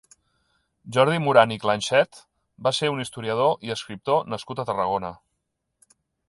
Jordi Morant i Clanxet va ser un historiador i escriptor nascut a Tarragona.